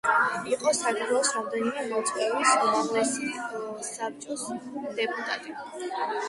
იყო საქართველოს რამდენიმე მოწვევის უმაღლესი საბჭოს დეპუტატი.